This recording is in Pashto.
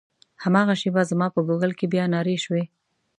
هماغه شېبه زما په ګوګل کې بیا نارې شوې.